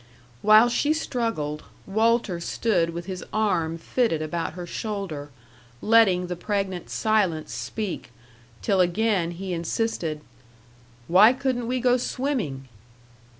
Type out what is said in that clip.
While she struggled, Walter stood with his arm fitted about her shoulder, letting the pregnant silence speak, till again he insisted: "Why couldn't we go swimming?"